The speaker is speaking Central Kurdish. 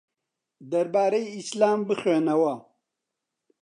دەربارەی ئیسلام بخوێنەوە.